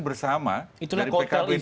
bersama dari pkb dan nu